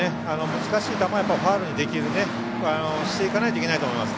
難しい球でもファウルにできる姿勢でいかないといけないと思います。